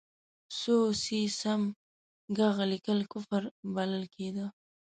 سو، سي، سم، ږغ لیکل کفر بلل کېده.